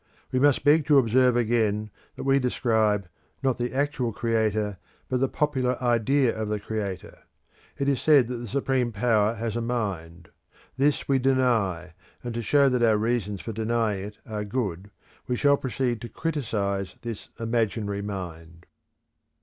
We must beg to observe again that we describe, not the actual Creator, but the popular idea of the Creator. It is said that the Supreme Power has a mind; this we deny, and to show that our reasons for denying it are good, we shall proceed to criticise this imaginary mind.